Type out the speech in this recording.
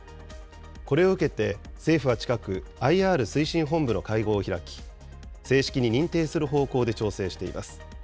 これを受けて、政府は近く、ＩＲ推進本部の会合を開き、正式に認定する方向で調整しています。